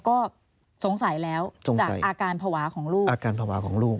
ก็สงสัยแล้วจากอาการภาวะของลูกอาการภาวะของลูก